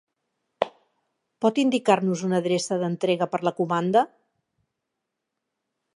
Pot indicar-nos una adreça d'entrega per la comanda?